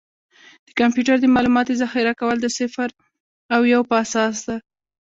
د کمپیوټر د معلوماتو ذخیره کول د صفر او یو په اساس ده.